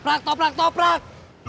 pakai gue mau berhenti ya bang